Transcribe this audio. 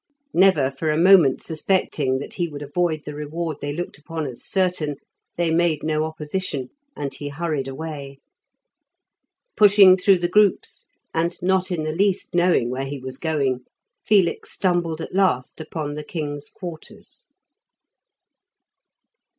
Never for a moment suspecting that he would avoid the reward they looked upon as certain, they made no opposition, and he hurried away. Pushing through the groups, and not in the least knowing where he was going, Felix stumbled at last upon the king's quarters.